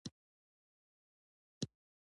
دا د مالي کال په پای کې ترسره کیږي.